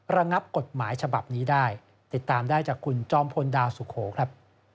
ระงับกฎหมายฉบับนี้ได้ติดตามได้จากคุณจอมพลดาวสุโขครับ